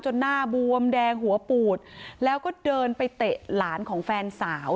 หน้าบวมแดงหัวปูดแล้วก็เดินไปเตะหลานของแฟนสาว